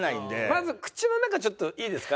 まず口の中ちょっといいですか？